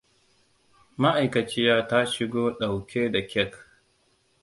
Ma'aikaciya ta shigo ɗauke da kek.